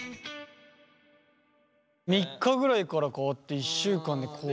３日ぐらいから変わって１週間で効果。